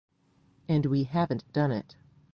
And we haven't done it.